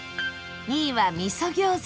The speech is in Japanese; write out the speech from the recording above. ２位は味噌餃子